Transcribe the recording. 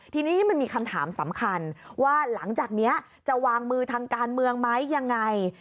ทีนี้มันมีคำถามสำคัญว่าหลังจากนี้จะวางมือทางการเมืองไหมยังไง